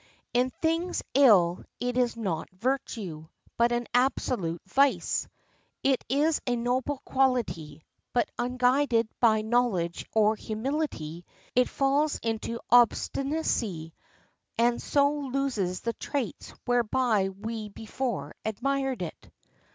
In things ill it is not virtue, but an absolute vice. It is a noble quality; but unguided by knowledge or humility, it falls into obstinacy, and so loses the traits whereby we before admired it.